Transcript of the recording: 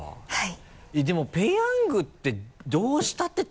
はい。